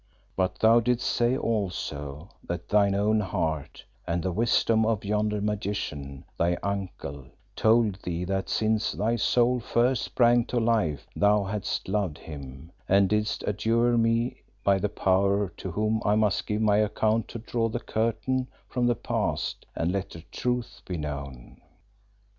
But thou didst say also that thine own heart and the wisdom of yonder magician, thy uncle, told thee that since thy soul first sprang to life thou hadst loved him, and didst adjure me by the Power to whom I must give my account to draw the curtain from the past and let the truth be known.